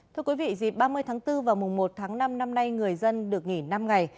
thưa quý vị dịp ba mươi tháng bốn và mùng một tháng năm năm nay người dân được nghỉ năm ngày